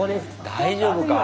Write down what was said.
大丈夫か？